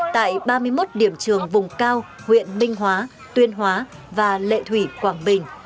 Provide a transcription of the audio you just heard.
tại ba mươi một điểm trường vùng cao huyện minh hóa tuyên hóa và lệ thủy quảng bình